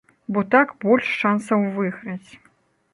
Бо так больш шансаў выйграць.